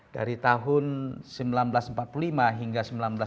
dari tahun seribu sembilan ratus empat puluh lima hingga seribu sembilan ratus sembilan puluh